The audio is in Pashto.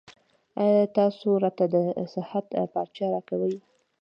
ایا تاسو راته د صحت پارچه راکوئ؟